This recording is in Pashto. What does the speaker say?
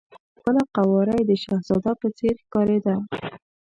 خپله قواره یې د شهزاده په څېر ښکارېده.